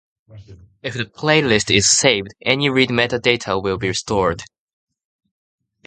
If the playlist is saved, any read metadata will be stored.